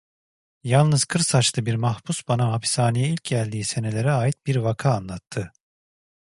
Yalnız kır saçlı bir mahpus bana hapishaneye ilk geldiği senelere ait bir vaka anlattı.